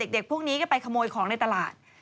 เด็กพวกนี้ก็ไปขโมยของในตลาด